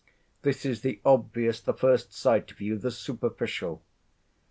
This is the obvious, the first sight view, the superficial.